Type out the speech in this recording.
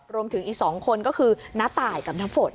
รวมถึงอีก๒คนก็คือน้าตายกับน้ำฝน